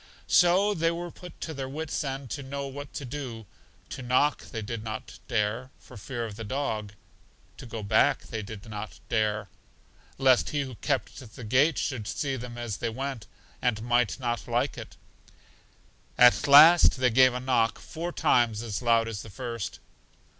So they were put to their wits' end to know what to do: to knock they did not dare, for fear of the dog; to go back they did not dare, lest He who kept the gate should see them as they went, and might not like it. At last they gave a knock four times as loud as the first.